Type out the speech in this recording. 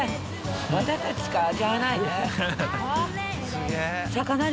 私たちしか味わえないね。